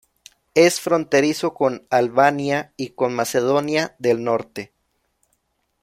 Es fronterizo con Albania y con Macedonia del Norte.